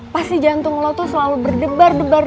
pasti jantung lo tuh selalu berdebar debar